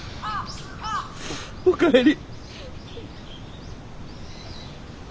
お帰り。